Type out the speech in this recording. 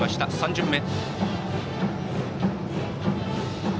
３巡目。